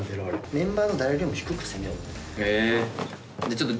メンバーの誰よりも低く攻めようと思って。